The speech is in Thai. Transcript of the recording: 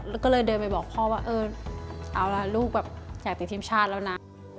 แล้วก็เลยเดินไปบอกพ่อว่าเออเอาล่ะลูกแบบอยากติดทีมชาติแล้วนะ